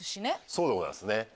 そうでございます